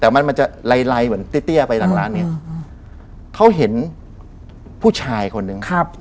แต่มันมันจะไลเหมือนเตี้ยไปหลังร้านเนี้ยเขาเห็นผู้ชายคนนึง